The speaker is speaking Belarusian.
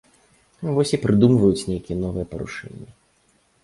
Вось і прыдумваюць нейкія новыя парушэнні.